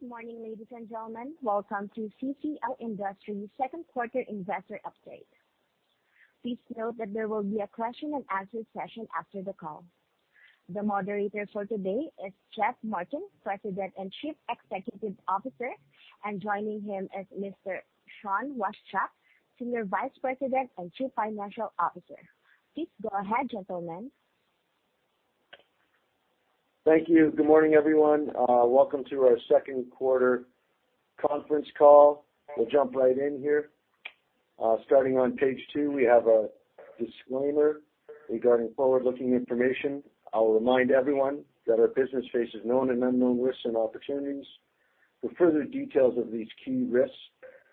Good morning, ladies and gentlemen. Welcome to CCL Industries' Second Quarter Investor Update. Please note that there will be a question and answer session after the call. The moderator for today is Geoff Martin, President and Chief Executive Officer, and joining him is Mr. Sean Washchuk, Senior Vice President and Chief Financial Officer. Please go ahead, gentlemen. Thank you. Good morning, everyone. Welcome to our second quarter conference call. We'll jump right in here. Starting on page two, we have a disclaimer regarding forward-looking information. I will remind everyone that our business faces known and unknown risks and opportunities. For further details of these key risks,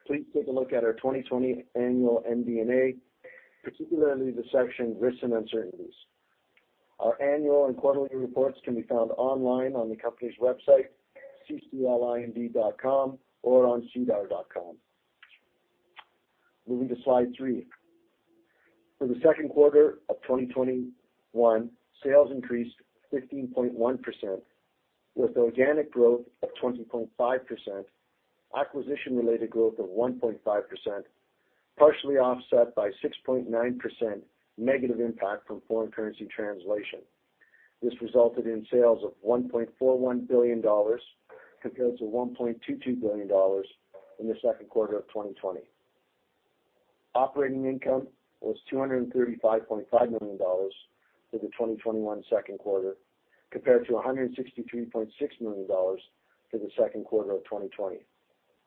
please take a look at our 2020 annual MD&A, particularly the section Risks and Uncertainties. Our annual and quarterly reports can be found online on the company's website, cclind.com, or on sedar.com. Moving to slide three. For the second quarter of 2021, sales increased 15.1%, with organic growth of 20.5%, acquisition-related growth of 1.5%, partially offset by 6.9% negative impact from foreign currency translation. This resulted in sales of 1.41 billion dollars compared to 1.22 billion dollars in the second quarter of 2020. Operating income was 235.5 million dollars for the 2021 second quarter, compared to 163.6 million dollars for the second quarter of 2020,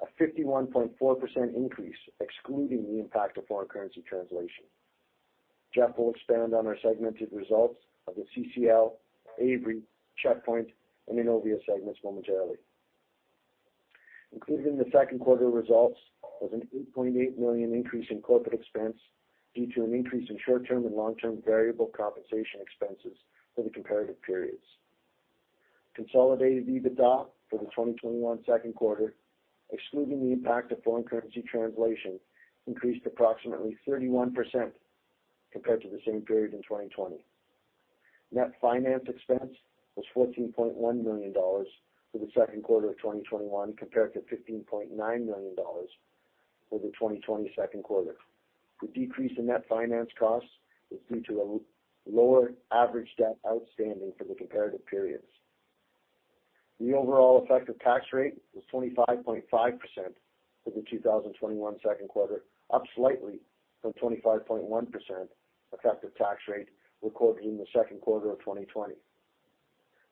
a 51.4% increase excluding the impact of foreign currency translation. Geoff will expand on our segmented results of the CCL, Avery, Checkpoint, and Innovia segments momentarily. Included in the second quarter results was a 8.8 million increase in corporate expense due to an increase in short-term and long-term variable compensation expenses for the comparative periods. Consolidated EBITDA for the 2021 second quarter, excluding the impact of foreign currency translation, increased approximately 31% compared to the same period in 2020. Net finance expense was 14.1 million dollars for the second quarter of 2021 compared to 15.9 million dollars for the 2020 second quarter. The decrease in net finance costs was due to a lower average debt outstanding for the comparative periods. The overall effective tax rate was 25.5% for the 2021 second quarter, up slightly from 25.1% effective tax rate recorded in the second quarter of 2020.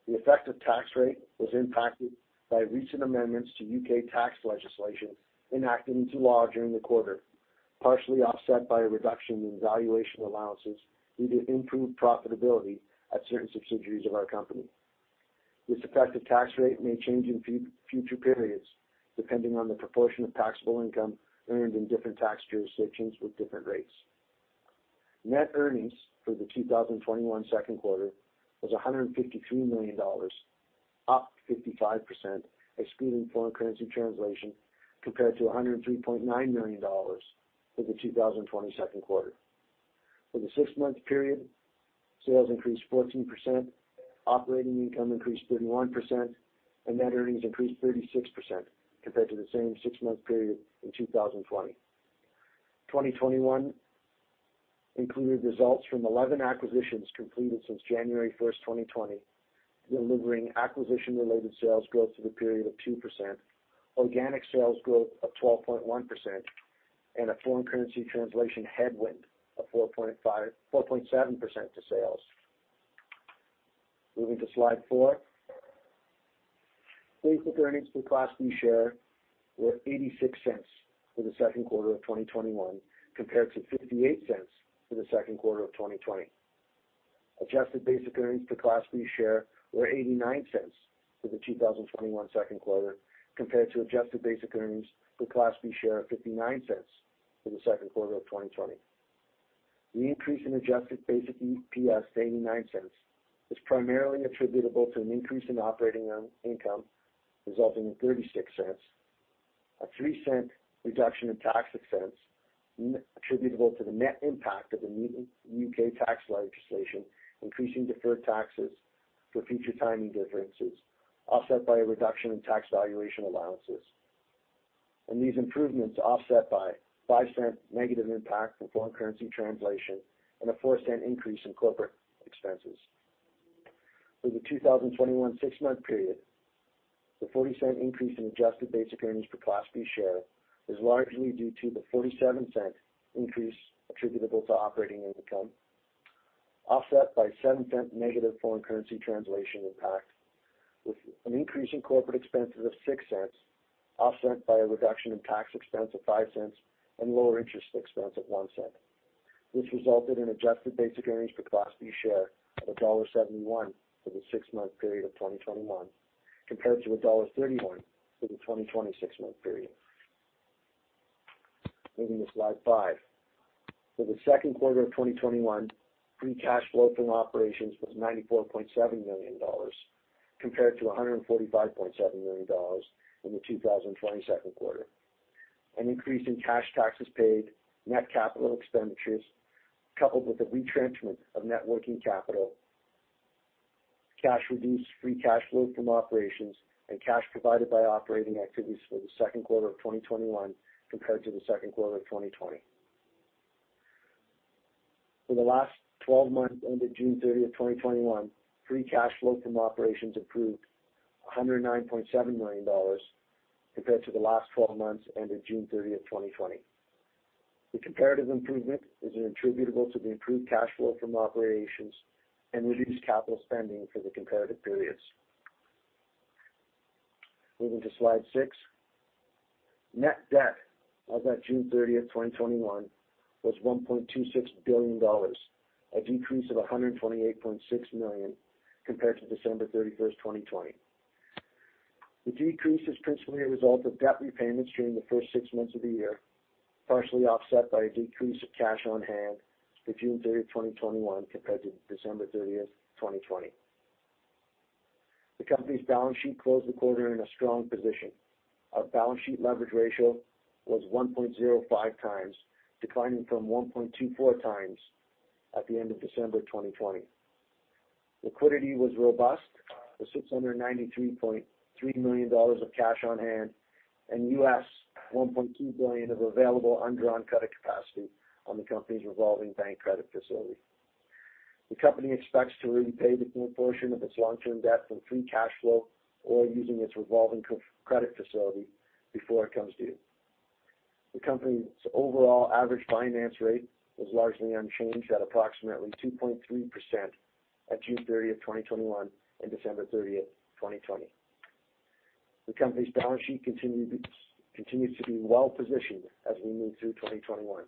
The effective tax rate was impacted by recent amendments to U.K. tax legislation enacted into law during the quarter, partially offset by a reduction in valuation allowances due to improved profitability at certain subsidiaries of our company. This effective tax rate may change in future periods, depending on the proportion of taxable income earned in different tax jurisdictions with different rates. Net earnings for the 2021 second quarter was 153 million dollars, up 55%, excluding foreign currency translation, compared to 103.9 million dollars for the 2020 second quarter. For the six-month period, sales increased 14%, operating income increased 31%, and net earnings increased 36% compared to the same six-month period in 2020. 2021 included results from 11 acquisitions completed since January 1st, 2020, delivering acquisition-related sales growth for the period of 2%, organic sales growth of 12.1%, and a foreign currency translation headwind of 4.7% to sales. Moving to slide four. Basic earnings per Class B share were 0.86 for the second quarter of 2021 compared to 0.58 for the second quarter of 2020. Adjusted basic earnings per Class B share were 0.89 for the 2021 second quarter compared to adjusted basic earnings per Class B share of 0.59 for the second quarter of 2020. The increase in adjusted basic EPS to 0.89 is primarily attributable to an increase in operating income resulting in 0.36, a 0.03 reduction in tax expense attributable to the net impact of the new U.K. tax legislation increasing deferred taxes for future timing differences, offset by a reduction in tax valuation allowances. These improvements offset by 0.05 negative impact from foreign currency translation and a 0.04 increase in corporate expenses. For the 2021 six-month period, the 0.40 increase in adjusted basic earnings per Class B share is largely due to the 0.47 increase attributable to operating income, offset by 0.07 negative foreign currency translation impact, with an increase in corporate expenses of 0.06, offset by a reduction in tax expense of 0.05 and lower interest expense of 0.01. This resulted in adjusted basic earnings per Class B share of dollar 1.71 for the six-month period of 2021 compared to dollar 1.31 for the 2020 six-month period. Moving to slide 5. For the second quarter of 2021, free cash flow from operations was 94.7 million dollars compared to 145.7 million dollars in the 2020 second quarter. An increase in cash taxes paid, net capital expenditures, coupled with the retrenchment of net working capital. Cash reduced free cash flow from operations and cash provided by operating activities for the second quarter of 2021 compared to the second quarter of 2020. For the last 12 months ended June 30th, 2021, free cash flow from operations improved 109.7 million dollars compared to the last 12 months ended June 30th, 2020. The comparative improvement is attributable to the improved cash flow from operations and reduced capital spending for the comparative periods. Moving to slide six. Net debt as at June 30th, 2021 was 1.26 billion dollars, a decrease of 128.6 million compared to December 31st, 2020. The decrease is principally a result of debt repayments during the first six months of the year, partially offset by a decrease of cash on hand for June 30th, 2021 compared to December 30th, 2020. The company's balance sheet closed the quarter in a strong position. Our balance sheet leverage ratio was 1.05x, declining from 1.24x at the end of December 2020. Liquidity was robust with 693.3 million dollars of cash on hand and $1.2 billion of available undrawn credit capacity on the company's revolving bank credit facility. The company expects to repay the full portion of its long-term debt from free cash flow or using its revolving credit facility before it comes due. The company's overall average finance rate was largely unchanged at approximately 2.3% at June 30th, 2021 and December 30th, 2020. The company's balance sheet continues to be well-positioned as we move through 2021.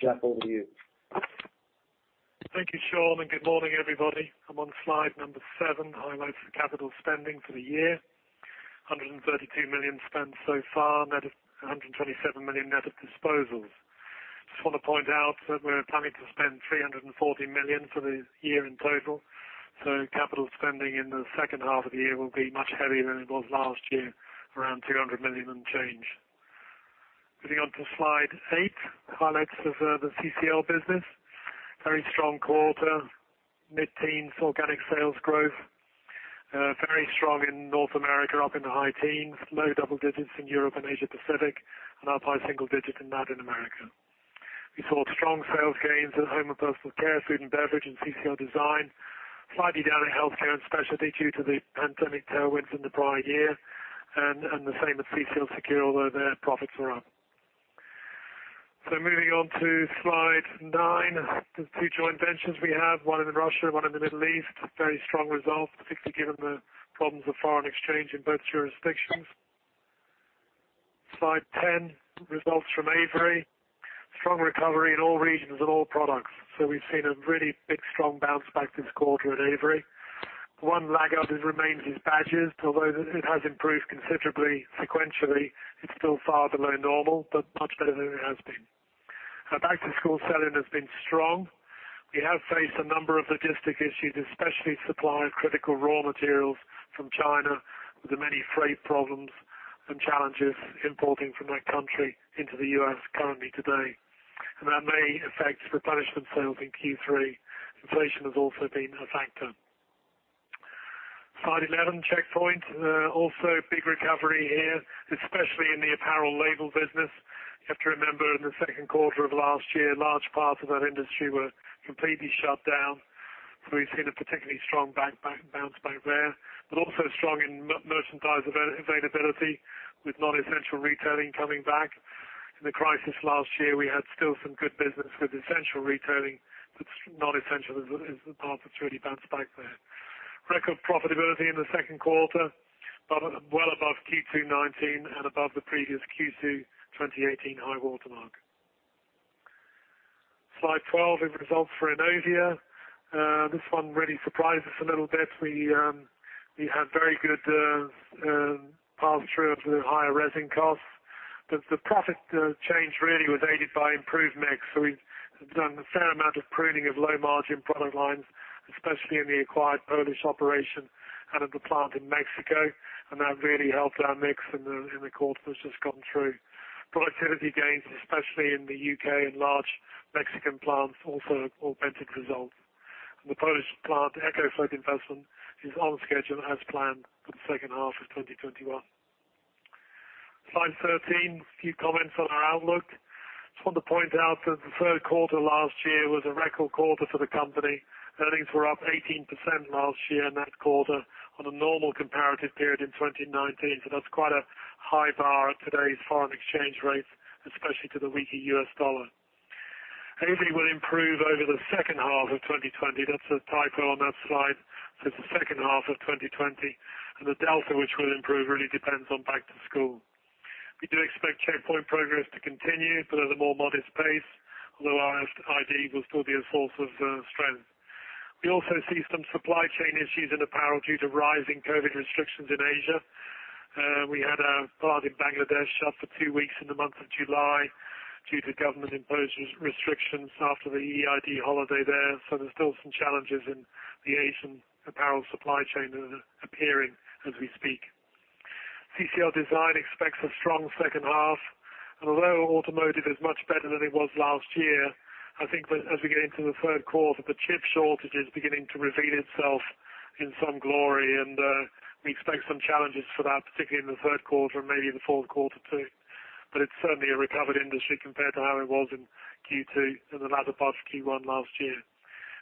Geoff, over to you. Thank you, Sean, good morning, everybody. I'm on slide number seven, highlights for capital spending for the year. 132 million spent so far, 127 million net of disposals. Just want to point out that we're planning to spend 340 million for the year in total, so capital spending in the second half of the year will be much heavier than it was last year, around 200 million and change. Moving on to slide eight, highlights of the CCL business. Very strong quarter. Mid-teens organic sales growth. Very strong in North America, up in the high teens. Low double digits in Europe and Asia Pacific, and up high single digit in Latin America. We saw strong sales gains at home and personal care, food and beverage, and CCL Design. Slightly down in healthcare and specialty due to the pandemic tailwinds in the prior year, and the same with CCL Secure, although their profits were up. Moving on to slide nine. The two joint ventures we have, one in Russia, one in the Middle East. Very strong results, particularly given the problems of foreign exchange in both jurisdictions. Slide 10, results from Avery. Strong recovery in all regions and all products. We've seen a really big strong bounce back this quarter at Avery. One laggard that remains is badges, although it has improved considerably sequentially. It's still far below normal, but much better than it has been. Our back-to-school selling has been strong. We have faced a number of logistic issues, especially supply of critical raw materials from China with the many freight problems and challenges importing from that country into the U.S. currently today. That may affect replenishment sales in Q3. Inflation has also been a factor. Slide 11, Checkpoint. Big recovery here, especially in the apparel label business. You have to remember, in the second quarter of last year, large parts of that industry were completely shut down, so we've seen a particularly strong bounce back there, but also strong in merchandise availability with non-essential retailing coming back. In the crisis last year, we had still some good business with essential retailing, but non-essential is the part that's really bounced back there. Record profitability in the second quarter, well above Q2 2019 and above the previous Q2 2018 high watermark. Slide 12 with results for Innovia. This one really surprised us a little bit. We had very good pass through of the higher resin costs, but the profit change really was aided by improved mix. We've done a fair amount of pruning of low-margin product lines, especially in the acquired Polish operation out of the plant in Mexico, and that really helped our mix in the quarter that's just gone through. Productivity gains, especially in the U.K. and large Mexican plants, also augmented results. The Polish plant EcoFloat investment is on schedule as planned for the second half of 2021. Slide 13, a few comments on our outlook. Just want to point out that the third quarter last year was a record quarter for the company. Earnings were up 18% last year in that quarter on a normal comparative period in 2019. That's quite a high bar at today's foreign exchange rates, especially to the weaker US dollar. Avery will improve over the second half of 2020. That's a typo on that slide. It says the second half of 2020, and the Delta variant which will improve really depends on back to school. We do expect Checkpoint progress to continue, but at a more modest pace, although our RFID will still be a source of strength. We also see some supply chain issues in apparel due to rising COVID restrictions in Asia. We had a plant in Bangladesh shut for two weeks in the month of July due to government-imposed restrictions after the Eid holiday there. There's still some challenges in the Asian apparel supply chain that are appearing as we speak. CCL Design expects a strong second half. Although automotive is much better than it was last year, I think as we get into the third quarter, the chip shortage is beginning to reveal itself in some glory, and we expect some challenges for that, particularly in the third quarter and maybe in the fourth quarter, too. It's certainly a recovered industry compared to how it was in Q2 and the latter part of Q1 last year.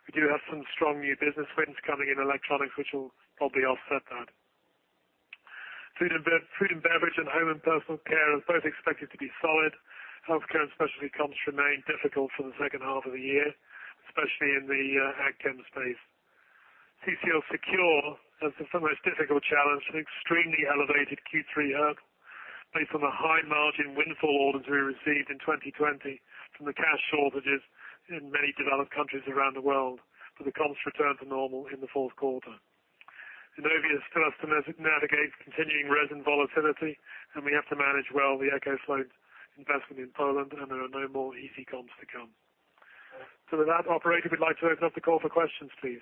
We do have some strong new business wins coming in electronics, which will probably offset that. Food and beverage and home and personal care are both expected to be solid. Healthcare and specialty comps remain difficult for the second half of the year, especially in the ag chem space. CCL Secure has the most difficult challenge, an extremely elevated Q3 earn, based on a high-margin windfall order we received in 2020 from the cash shortages in many developed countries around the world. The comps return to normal in the fourth quarter. Innovia still has to navigate continuing resin volatility, and we have to manage well the EcoFloat investment in Poland, and there are no more easy comps to come. With that, operator, we'd like to open up the call for questions, please.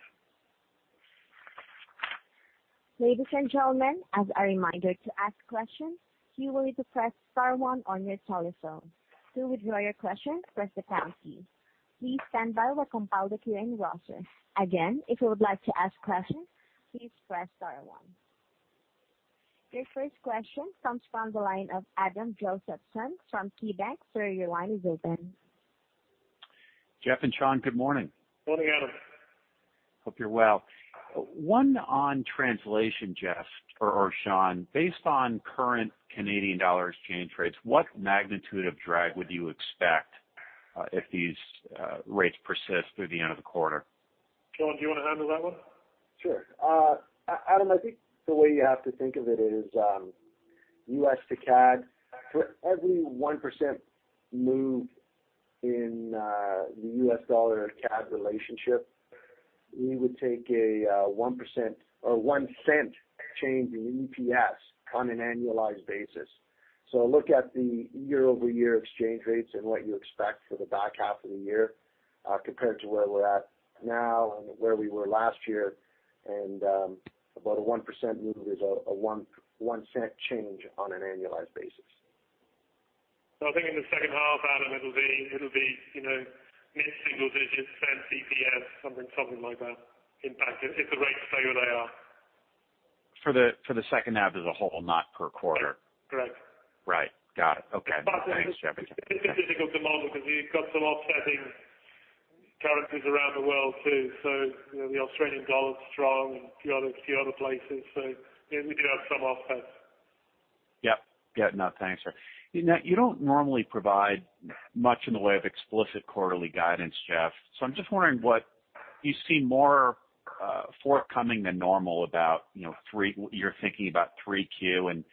Ladies and gentlemen, as a reminder, to ask questions, you will need to press star one on your telephone. To withdraw your question, press the pound key. Please stand by while we compile the queuing roster. Again, if you would like to ask questions, please press star one. Your first question comes from the line of Adam Josephson from KeyBanc. Sir, your line is open. Geoff and Sean, good morning. Morning, Adam. Hope you're well. One on translation, Geoff or Sean. Based on current Canadian dollar exchange rates, what magnitude of drag would you expect if these rates persist through the end of the quarter? Sean, do you want to handle that one? Sure. Adam, I think the way you have to think of it is U.S. to CAD. For every 1% move in the U.S. dollar and CAD relationship, we would take a 1% or 0.01 change in EPS on an annualized basis. Look at the year-over-year exchange rates and what you expect for the back half of the year compared to where we're at now and where we were last year, and about a 1% move is a 0.01 change on an annualized basis. I think in the second half, Adam, it'll be mid-single digits, 10 basis points, something like that, impact, if the rates stay where they are. For the second half as a whole, not per quarter. Correct. Right. Got it. Okay. Thanks, Geoff. It's a bit difficult to model because you've got some offsetting currencies around the world, too. The Australian dollar is strong and a few other places. We do have some offsets. Yep. Yeah, no, thanks. You don't normally provide much in the way of explicit quarterly guidance, Geoff, so I'm just wondering what you see more forthcoming than normal about your thinking about 3Q and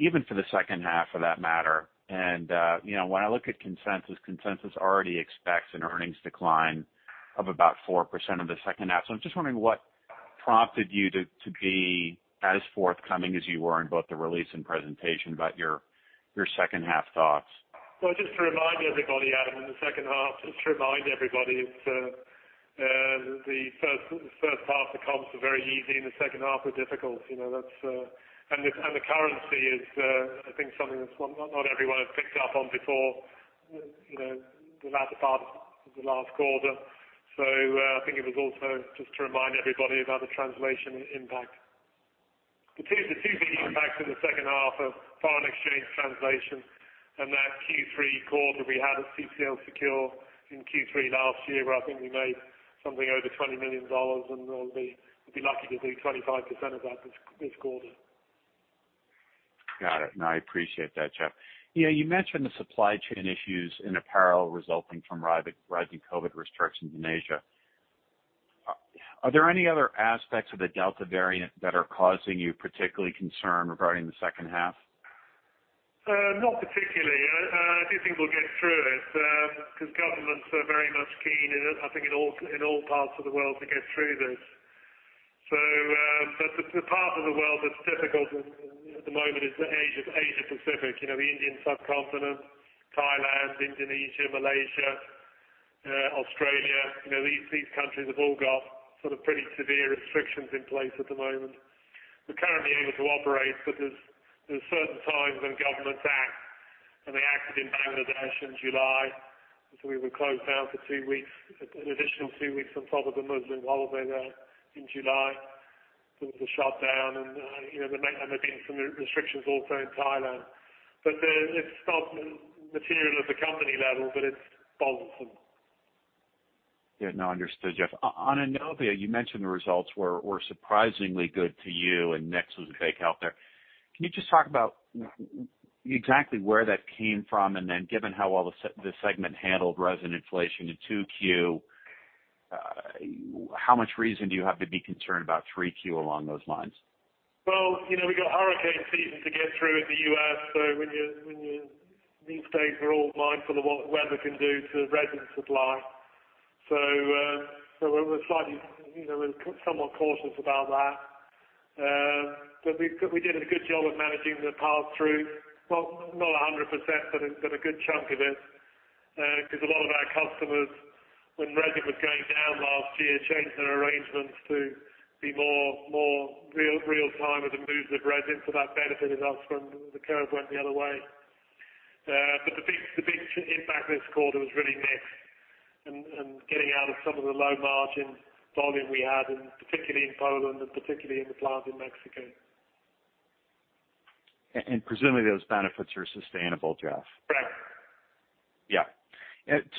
even for the second half, for that matter. When I look at consensus already expects an earnings decline of about 4% of the second half. I'm just wondering what prompted you to be as forthcoming as you were in both the release and presentation about your second half thoughts. Well, just to remind everybody, Adam, in the second half, just to remind everybody, the first half comps were very easy. The second half were difficult. The currency is, I think, something that not everyone has picked up on before, the latter part of the last quarter. I think it was also just to remind everybody about the translation impact. The two big impacts in the second half are foreign exchange translation and that Q3 quarter we had at CCL Secure in Q3 last year, where I think we made something over 20 million dollars, and we will be lucky to do 25% of that this quarter. Got it. No, I appreciate that, Geoff. You mentioned the supply chain issues in apparel resulting from rising COVID restrictions in Asia. Are there any other aspects of the Delta variant that are causing you particular concern regarding the second half? Not particularly. I do think we'll get through it, because governments are very much keen, and I think in all parts of the world to get through this. The part of the world that's difficult at the moment is Asia Pacific, the Indian subcontinent, Thailand, Indonesia, Malaysia, Australia. These countries have all got pretty severe restrictions in place at the moment. We're currently able to operate, but there are certain times when governments act, and they acted in Bangladesh in July, and so we were closed down for two weeks, an additional two weeks on top of the Muslim holiday there in July. There was a shutdown and there have been some restrictions also in Thailand. It's not material at the company level, but it bodes some. Yeah. No, understood, Geoff. On Innovia, you mentioned the results were surprisingly good to you, and mix was a big help there. Can you just talk about exactly where that came from, and then given how well the segment handled resin inflation in 2Q, how much reason do you have to be concerned about 3Q along those lines? We got hurricane season to get through in the U.S., so these days we're all mindful of what weather can do to resin supply. We're somewhat cautious about that. We did a good job of managing the pass-through. Well, not 100%, but a good chunk of it. Because a lot of our customers, when resin was going down last year, changed their arrangements to be more real time with the moves of resin. That benefited us when the curve went the other way. The big impact this quarter was really mix, and getting out of some of the low-margin volume we had, and particularly in Poland and particularly in the plant in Mexico. Presumably, those benefits are sustainable, Geoff? Correct. Yeah.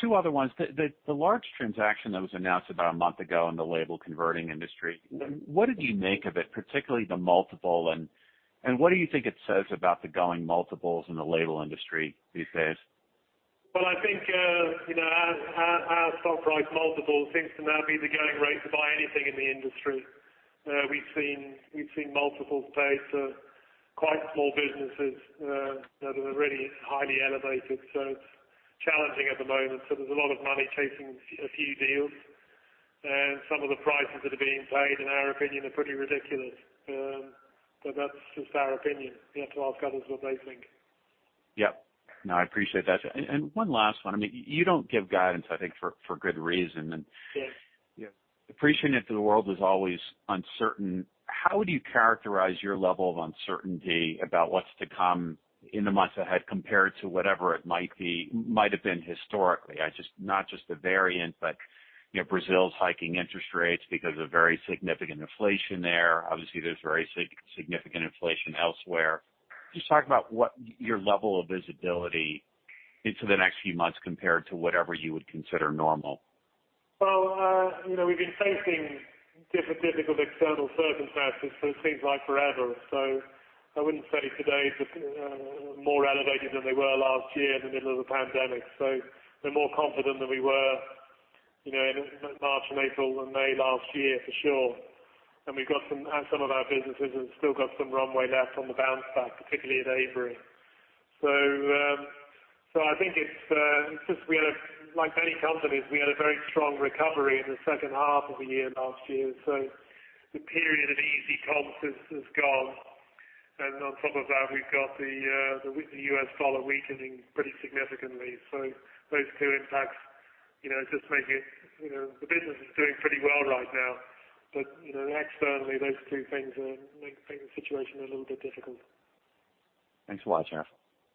Two other ones. The large transaction that was announced about a month ago in the label converting industry, what did you make of it, particularly the multiple, and what do you think it says about the going multiples in the label industry these days? Well, I think our stock price multiple seems to now be the going rate to buy anything in the industry. We've seen multiples paid for quite small businesses that are really highly elevated. It's challenging at the moment. There's a lot of money chasing a few deals, and some of the prices that are being paid, in our opinion, are pretty ridiculous. That's just our opinion. You have to ask others what they think. Yep. No, I appreciate that. One last one. You don't give guidance, I think, for good reason. Yes. Appreciating that the world is always uncertain, how would you characterize your level of uncertainty about what's to come in the months ahead compared to whatever it might have been historically? Not just the variant, but Brazil's hiking interest rates because of very significant inflation there. Obviously, there's very significant inflation elsewhere. Just talk about what your level of visibility into the next few months compared to whatever you would consider normal. We've been facing different difficult external circumstances for it seems like forever. I wouldn't say today is more elevated than they were last year in the middle of the pandemic. We're more confident than we were in March and April and May last year, for sure. Some of our businesses have still got some runway left on the bounce back, particularly at Avery. I think like many companies, we had a very strong recovery in the second half of the year last year. The period of easy comps is gone, and on top of that, we've got the US dollar weakening pretty significantly. Those two impacts, the business is doing pretty well right now. Externally, those two things make the situation a little bit difficult. Thanks a lot, Geoff.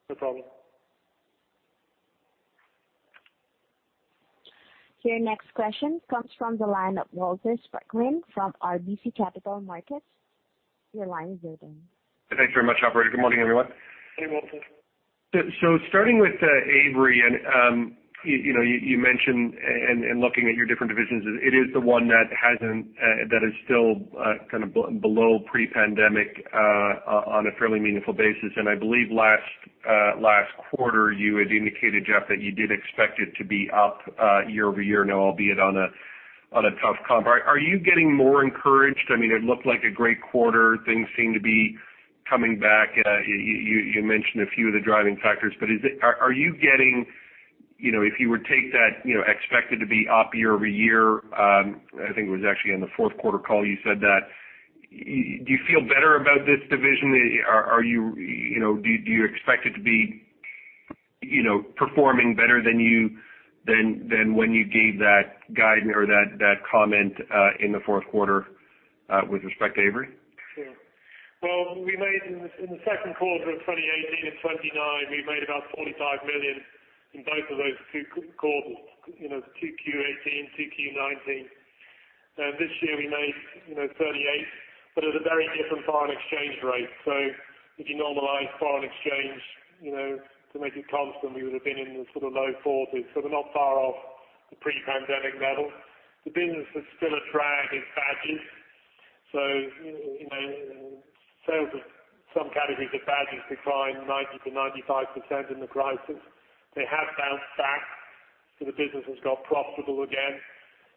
No problem. Your next question comes from the line of Walter Spracklin from RBC Capital Markets. Your line is open. Thanks very much, operator. Good morning, everyone. Hey, Walter. Starting with Avery, and you mentioned, and looking at your different divisions, it is the one that is still below pre-pandemic on a fairly meaningful basis. I believe last quarter, you had indicated, Geoff, that you did expect it to be up year-over-year, now albeit on a tough comp. Are you getting more encouraged? It looked like a great quarter. Things seem to be coming back. You mentioned a few of the driving factors. If you would take that expected to be up year-over-year, I think it was actually on the fourth quarter call you said that. Do you feel better about this division? Do you expect it to be performing better than when you gave that comment in the fourth quarter with respect to Avery? Sure. Well, in the second quarter of 2018 and 2019, we made about 45 million in both of those two quarters, 2Q 2018, 2Q 2019. This year we made 38 million, but at a very different foreign exchange rate. If you normalize foreign exchange to make it constant, we would have been in the low 40s. We're not far off the pre-pandemic level. The business that's still a drag is badges. Sales of some categories of badges declined 90%-95% in the crisis. They have bounced back, so the business has got profitable again.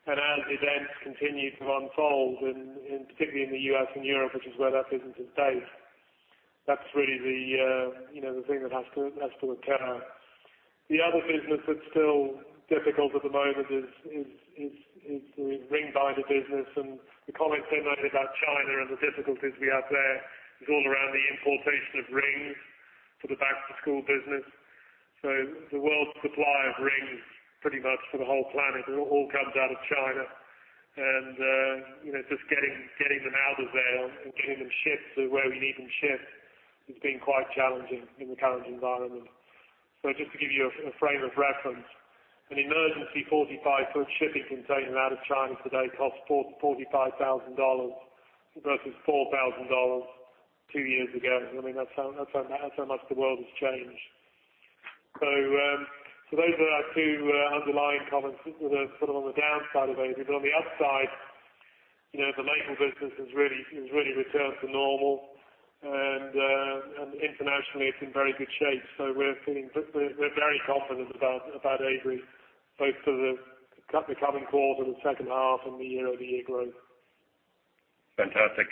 As events continue to unfold, and particularly in the U.S. and Europe, which is where that business is based, that's really the thing that has to occur. The other business that's still difficult at the moment is the ring binder business. The comments I made about China and the difficulties we have there is all around the importation of rings for the back-to-school business. The world's supply of rings, pretty much for the whole planet, all comes out of China, and just getting them out of there and getting them shipped to where we need them shipped has been quite challenging in the current environment. Just to give you a frame of reference, an emergency 45-foot shipping container out of China today costs 45,000 dollars versus 4,000 dollars 2 years ago. That's how much the world has changed. Those are our two underlying comments that are sort of on the downside of Avery. On the upside, the label business has really returned to normal, and internationally, it's in very good shape. We're very confident about Avery, both for the coming quarter, the second half and the year-over-year growth. Fantastic.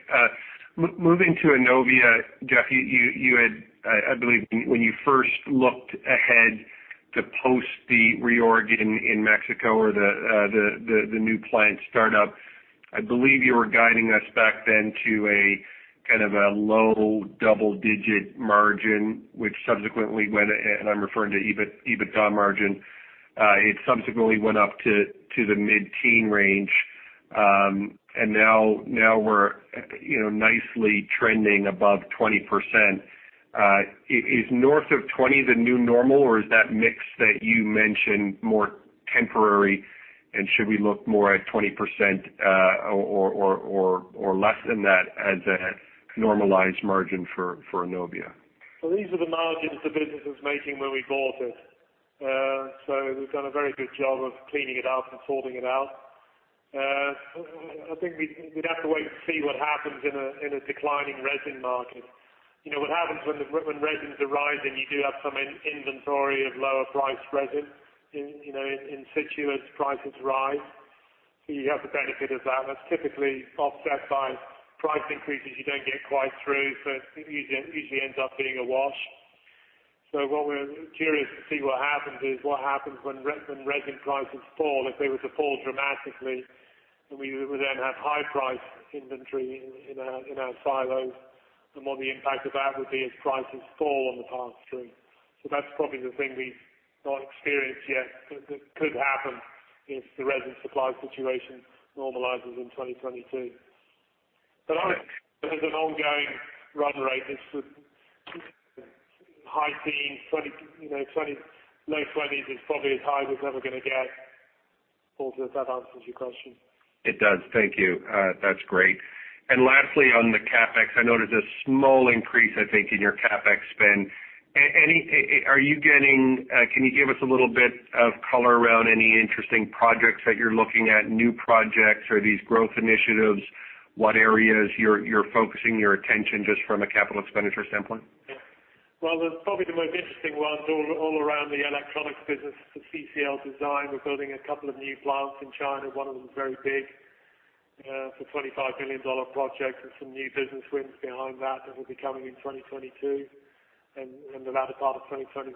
Moving to Innovia, Geoff, I believe when you first looked ahead to post the reorg in Mexico or the new plant startup, I believe you were guiding us back then to a low double-digit margin, and I'm referring to EBITDA margin. It subsequently went up to the mid-teen range, and now we're nicely trending above 20%. Is north of 20% the new normal, or is that mix that you mentioned more temporary? Should we look more at 20% or less than that as a normalized margin for Innovia? These are the margins the business was making when we bought it. We've done a very good job of cleaning it up and sorting it out. I think we'd have to wait to see what happens in a declining resin market. What happens when resins are rising, you do have some inventory of lower priced resin in situ as prices rise. You have the benefit of that. That's typically offset by price increases you don't get quite through, so it usually ends up being a wash. What we're curious to see what happens is what happens when resin prices fall. If they were to fall dramatically, and we would then have high price inventory in our silos, and what the impact of that would be as prices fall on the pass-through. That's probably the thing we've not experienced yet, but that could happen if the resin supply situation normalizes in 2022. I think there's an ongoing run rate. This would high teens, low 20s is probably as high as it's ever going to get. Walter, if that answers your question. It does. Thank you. That's great. Lastly, on the CapEx, I noticed a small increase, I think, in your CapEx spend. Can you give us a little bit of color around any interesting projects that you're looking at, new projects or these growth initiatives? What areas you're focusing your attention just from a capital expenditure standpoint? Probably the most interesting one is all around the electronics business for CCL Design. We're building a couple of new plants in China. One of them is very big for 25 million dollar project with some new business wins behind that will be coming in 2022, and the latter part of 2021.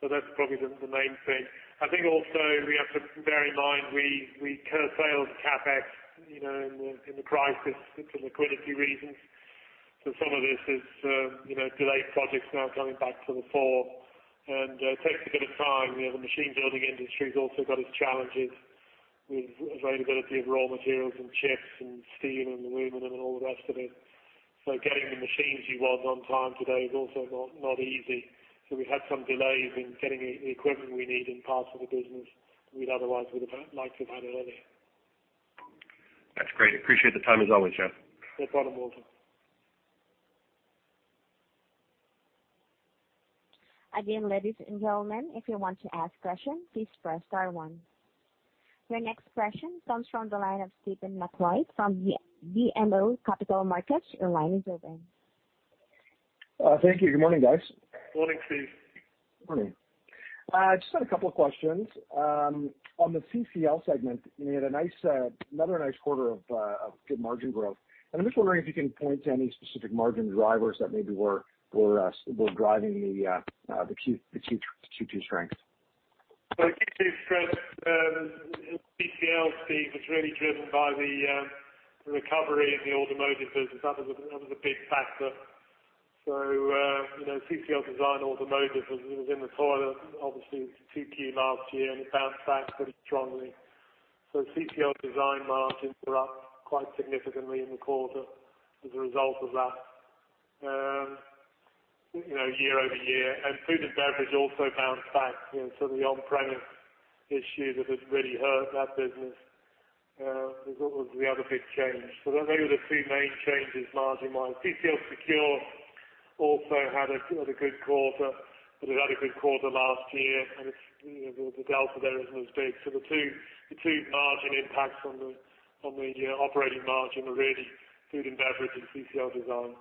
That's probably the main thing. I think also we have to bear in mind, we curtailed CapEx in the crisis for liquidity reasons. Some of this is delayed projects now coming back to the fore and takes a bit of time. The machine building industry has also got its challenges with availability of raw materials and chips and steel and aluminum and all the rest of it. Getting the machines you want on time today is also not easy. We had some delays in getting the equipment we need in parts of the business we'd otherwise would have liked to have had earlier. That's great. Appreciate the time as always, Geoff. No problem, Walter. Your next question comes from the line of Stephen MacLeod from BMO Capital Markets. Thank you. Good morning, guys. Good morning, Stephen. Morning. Just had two questions. On the CCL segment, you had another nice quarter of good margin growth. I'm just wondering if you can point to any specific margin drivers that maybe were driving the Q2 strength. Q2 strength in CCL, Stephen, was really driven by the recovery in the automotive business. That was a big factor. CCL Design Automotive was in the toilet, obviously, Q2 last year, and it bounced back pretty strongly. CCL Design margins were up quite significantly in the quarter as a result of that year-over-year. Food and beverage also bounced back. The on-premise issue that had really hurt that business was the other big change. They were the two main changes margin-wise. CCL Secure also had a good quarter, but it had a good quarter last year and the delta there isn't as big. The two margin impacts on the operating margin were really food and beverage and CCL Design.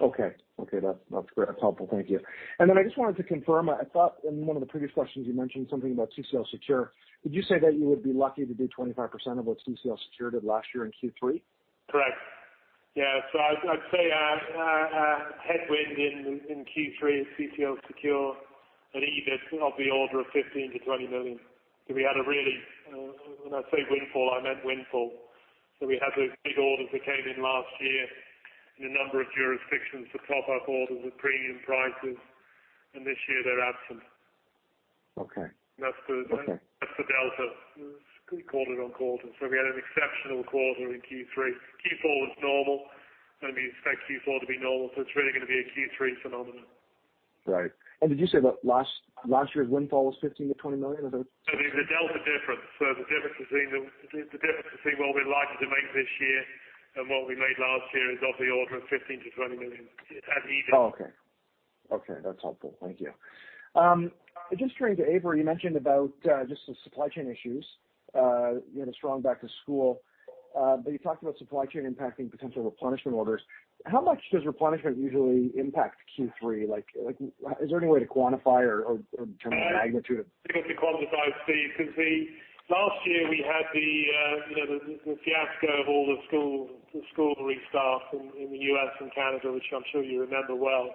Okay. That's helpful. Thank you. I just wanted to confirm, I thought in one of the previous questions you mentioned something about CCL Secure. Did you say that you would be lucky to do 25% of what CCL Secure did last year in Q3? Correct. Yeah. I'd say a headwind in Q3 at CCL Secure, at EBIT of the order of 15 million-20 million. We had a really, when I say windfall, I meant windfall. We had those big orders that came in last year in a number of jurisdictions for top-up orders with premium prices, and this year they're absent. Okay. That's the Delta. We called it on quarter. We had an exceptional quarter in Q3. Q4 was normal, and we expect Q4 to be normal, so it's really going to be a Q3 phenomenon. Right. Did you say that last year's windfall was 15 million-20 million? No, the delta difference. The difference between what we're likely to make this year and what we made last year is of the order of 15 million-20 million at EBIT. Oh, okay. That's helpful. Thank you. Just turning to Avery, you mentioned about just the supply chain issues. You had a strong back-to-school. You talked about supply chain impacting potential replenishment orders. How much does replenishment usually impact Q3? Is there any way to quantify or in terms of magnitude? Difficult to quantify, Steve, because last year we had the fiasco of all the school restarts in the U.S. and Canada, which I'm sure you remember well.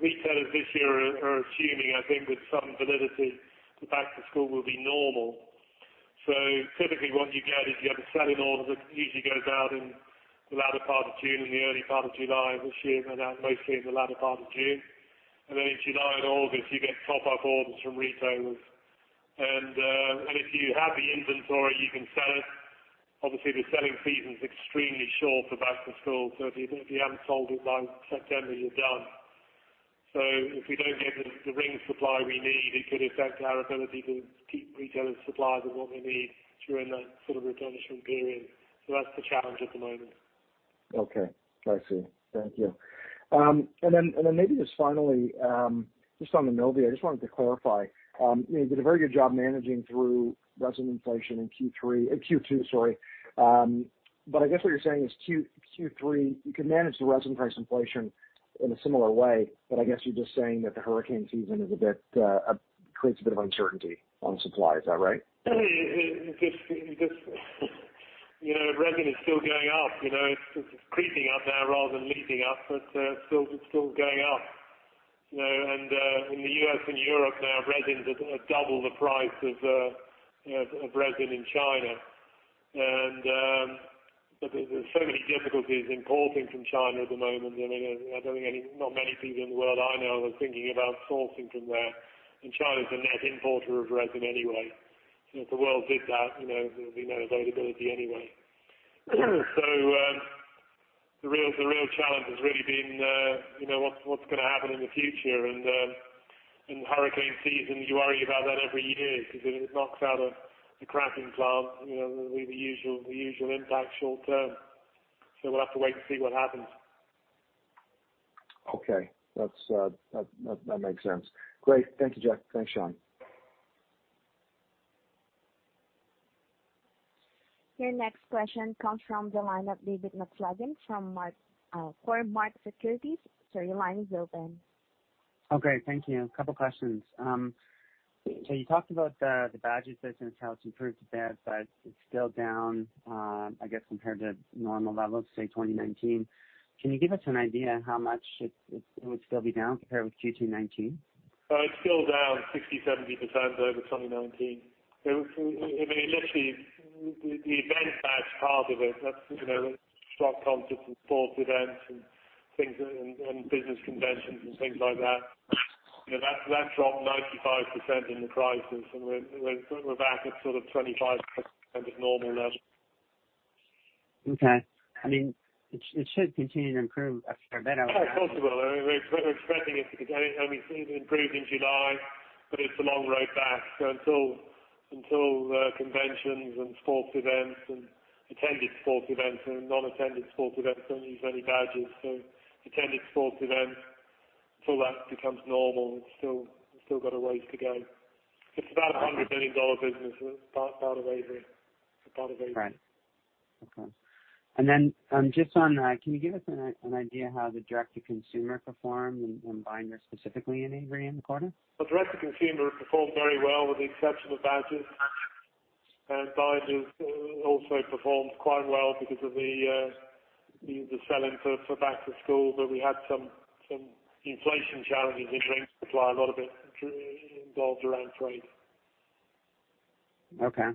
Retailers this year are assuming, I think with some validity, that back to school will be normal. Typically what you get is you have a selling order that usually goes out in the latter part of June and the early part of July. This year, went out mostly in the latter part of June. Then in July and August, you get top-up orders from retailers. If you have the inventory, you can sell it. Obviously, the selling season's extremely short for back to school, so if you haven't sold it by September, you're done. If we don't get the ring supply we need, it could affect our ability to keep retailers supplied with what they need during that sort of replenishment period. That's the challenge at the moment. Okay. I see. Thank you. Then maybe just finally, just on the Innovia, I just wanted to clarify. You did a very good job managing through resin inflation in Q2, sorry. I guess what you're saying is Q3, you can manage the resin price inflation in a similar way, I guess you're just saying that the hurricane season creates a bit of uncertainty on supply. Is that right? Resin is still going up. It's creeping up now rather than leaping up, but still going up. In the U.S. and Europe now, resins are 2x the price of resin in China. There's so many difficulties importing from China at the moment. I don't think not many people in the world I know are thinking about sourcing from there. China's a net importer of resin anyway. If the world did that, there would be no availability anyway. The real challenge has really been what's going to happen in the future. Hurricane season, you worry about that every year because if it knocks out a cracking plant, there will be the usual impact short-term. We'll have to wait and see what happens. Okay. That makes sense. Great. Thank you, Jack. Thanks, Sean. Your next question comes from the line of David McFadgen for Cormark Securities. Sir, your line is open. Oh, great. Thank you. A couple questions. You talked about the badges business, how it's improved a bit, but it's still down, I guess, compared to normal levels, say 2019. Can you give us an idea how much it would still be down compared with 2019? It's still down 60%, 70% over 2019. Literally, the event badge part of it, rock concerts and sports events and business conventions and things like that dropped 95% in the crisis, and we're back at sort of 25% of normal levels. Okay. It should continue to improve a fair bit. Oh, of course it will. We're expecting it to continue. We've seen it improve in July, but it's a long road back. Until conventions and sports events and attended sports events and non-attended sports events don't use any badges. Attended sports events, until that becomes normal, it's still got a ways to go. It's about a 100 million dollar business, part of Avery. Right. Okay. Just on that, can you give us an idea how the direct-to-consumer performed and binders specifically in Avery in the quarter? direct-to-consumer performed very well with the exception of badges. And binders also performed quite well because of the selling for back to school, but we had some inflation challenges in ring supply, a lot of it revolved around trade. Okay.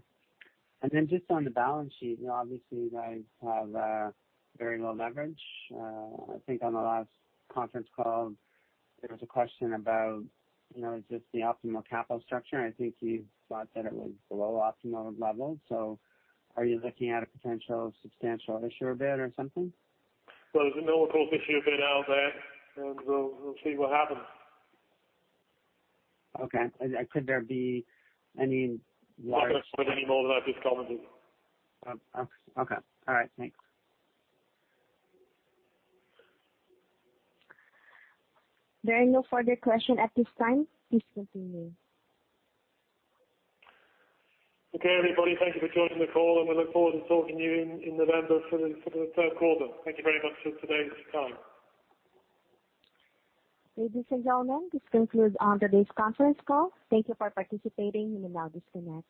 Just on the balance sheet, obviously you guys have very low leverage. I think on the last conference call, there was a question about just the optimal capital structure, and I think you thought that it was below optimal level. Are you looking at a potential substantial issuer bid or something? Well, there's a normal course issuer bid out there, and we'll see what happens. Okay. Could there be any larger? Not going to speak any more than I just commented. Okay. All right. Thanks. There are no further questions at this time. Please continue. Okay, everybody, thank you for joining the call, and we look forward to talking to you in November for the third quarter. Thank you very much for today's time. Ladies and gentlemen, this concludes today's conference call. Thank you for participating. You may now disconnect.